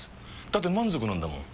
だって満足なんだもん。